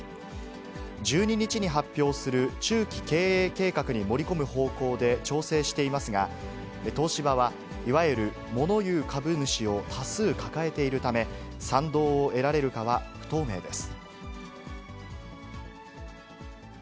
１２日に発表する中期経営計画に盛り込む方向で調整していますが、東芝はいわゆるもの言う株主を多数抱えているため、賛同を得られるかは不透明です。